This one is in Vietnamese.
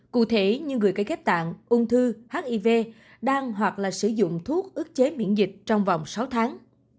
cụ thể như người gây ghép tạng ung thư hiv đang hoặc sử dụng thuốc ước chế miễn dịch trong vòng sáu tháng